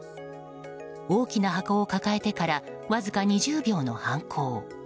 大きな箱を抱えてからわずか２０秒の犯行。